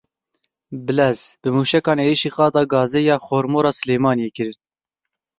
Bilez Bi mûşekan êrişî qada gazê ya Xor Mor a Silêmaniyê kirin..